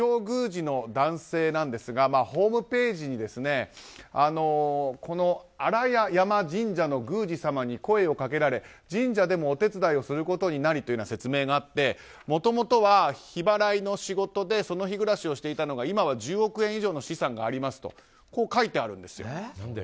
宮司の男性ですがホームページに新屋山神社の宮司様に声をかけられ、神社でもお手伝いをすることになりという説明があってもともとは日払いの仕事でその日暮らしをしていたのが今は１０億円以上の資産がありますと書いてあるんですよ。